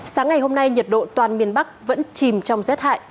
sáng ngày hôm nay nhiệt độ toàn miền bắc vẫn chìm trong rét hại